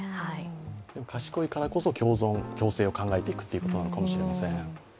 賢いからこそ共存共生を考えていくということなのかもしれません。